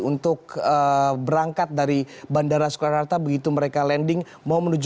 untuk berangkat dari bandara soekarno hatta begitu mereka lancar